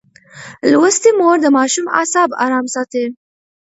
لوستې مور د ماشوم اعصاب ارام ساتي.